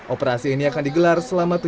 operasi ini akan digelar